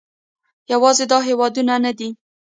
یوازې دا هېوادونه نه دي